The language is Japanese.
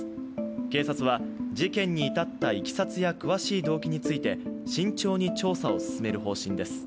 警察は事件に至ったいきさつや詳しい動機について慎重に調査を進める方針です。